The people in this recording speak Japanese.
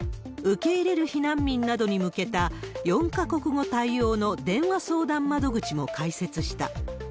受け入れる避難民などに向けた４か国語対応の電話相談窓口も開設した。